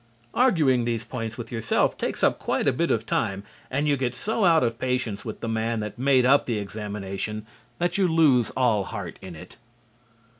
Arguing these points with yourself takes up quite a bit of time and you get so out of patience with the man that made up the examination that you lose all heart in it.